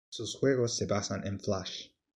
Sus juegos se basan en Flash.